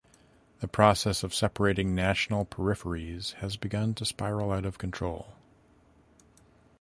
The process of separating national peripheries has begun to spiral out of control.